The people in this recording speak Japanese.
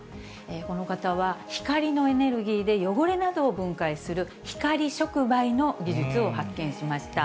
この方は光のエネルギーで、汚れなどを分解する光触媒の技術を発見しました。